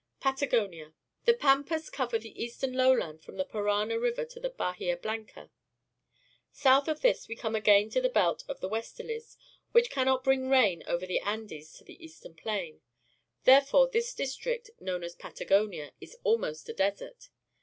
Patagonia. — The pampas cover the eastern lowland from the Parana River to Bahia Blanca. South of this we come again into the belt of the westerlies, which cannot bring rain over the Andes to the eastern plain. Therefore this district, known as Patagonia, is almost a desert.